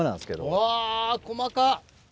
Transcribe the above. うわ細かっ！